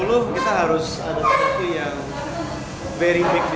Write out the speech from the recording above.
mungkin kita harus ada sesuatu yang lebih bagus